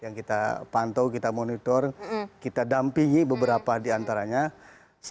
yang kita pantau kita monitor kita dampingi beberapa di antaranya ya